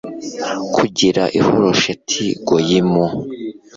kugera i harosheti goyimu